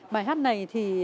bài hát này thì